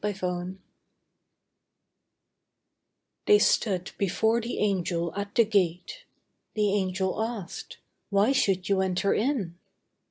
THE CHOSEN They stood before the Angel at the gate; The Angel asked: 'Why should you enter in?